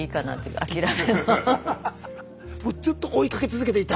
もうずっと追いかけ続けていた？